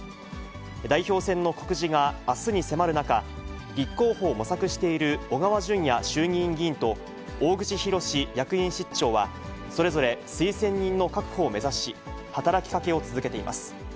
代表選の告示があすに迫る中、立候補を模索している小川淳也衆議院議員と、大串博志役員室長は、それぞれ推薦人の確保を目指し、働きかけを続けています。